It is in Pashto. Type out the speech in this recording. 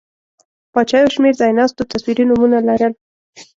پاچا یو شمېر ځایناستو تصویري نومونه لرل.